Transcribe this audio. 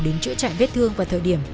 đến chữa trại vết thương vào thời điểm